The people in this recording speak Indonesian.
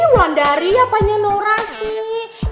wondari apanya nora sih